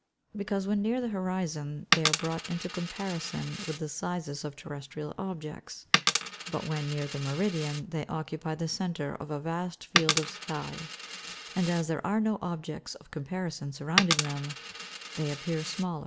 _ Because, when near the horizon, they are brought into comparison with the sizes of terrestrial objects; but when near the meridian they occupy the centre of a vast field of sky, and as there are no objects of comparison surrounding them, they appear smaller.